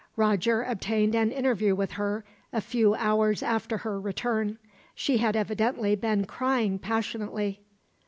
Roger obtained an interview with her, a few hours after her return. She had evidently been crying passionately.